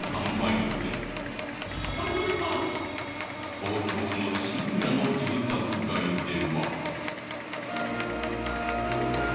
東京の深夜の住宅街では。